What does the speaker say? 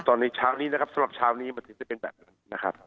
ในเช้านี้นะครับสำหรับเช้านี้มันถึงจะเป็นแบบนั้นนะครับ